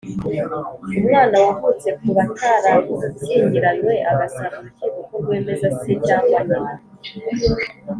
umwana wavutse ku batarashyingaranywe agasaba urukiko ko rwemeza se cyangwa nyina.